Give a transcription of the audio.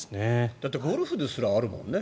だってゴルフですらあるもんね。